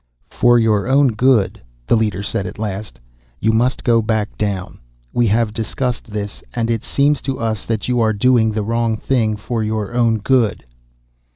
"For your own good," the leader said at last, "you must go back down. We have discussed this, and it seems to us that you are doing the wrong thing for your own good."